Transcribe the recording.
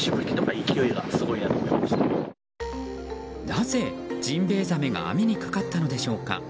なぜ、ジンベエザメが網にかかったのでしょうか。